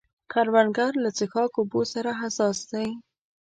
کروندګر له څښاک اوبو سره حساس دی